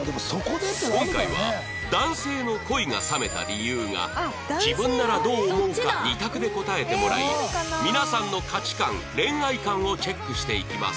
今回は男性の恋が冷めた理由が自分ならどう思うか２択で答えてもらい皆さんの価値観恋愛観をチェックしていきます